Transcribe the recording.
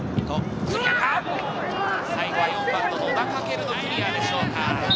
最後は４番の野田翔升のクリアでしょうか。